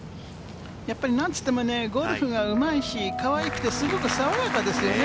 なんといってもゴルフがうまいし、可愛くて、すごく爽やかですよね。